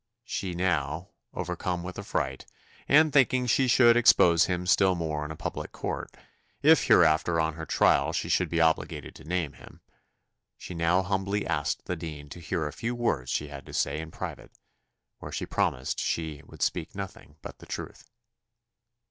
She now, overcome with affright, and thinking she should expose him still more in a public court, if hereafter on her trial she should be obliged to name him she now humbly asked the dean to hear a few words she had to say in private, where she promised she "would speak nothing but the truth."